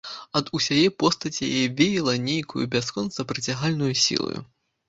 Ад усяе постаці яе веяла нейкаю бясконца прыцягальнаю сілаю.